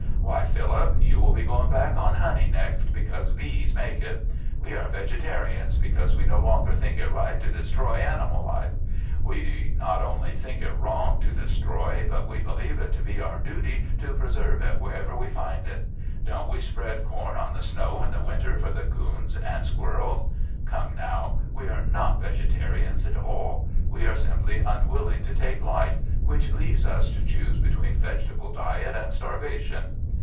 Why, Philip, you will be going back on honey next because bees make it. We are vegetarians because we no longer think it right to destroy animal life. We not only think it wrong to destroy, but we believe it to be our duty to preserve it wherever we find it. Don't we spread corn on the snow in the winter for the coons and squirrels? Come, now! We are not vegetarians at all. We are simply unwilling to take life, which leaves us to choose between vegetable diet and starvation.